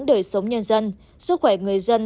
đời sống nhân dân sức khỏe người dân